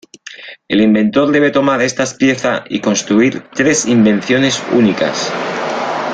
El inventor debe tomar estas piezas y construir tres invenciones únicas.